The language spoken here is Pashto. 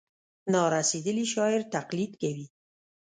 نا رسېدلي شاعر تقلید کوي.